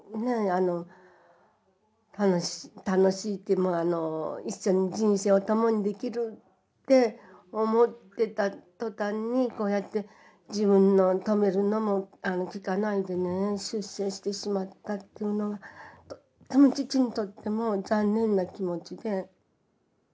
あの楽しい一緒に人生を共にできるって思ってた途端にこうやって自分の止めるのも聞かないでね出征してしまったっていうのがとっても父にとっても残念な気持ちで。